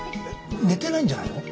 寝てないんじゃないの？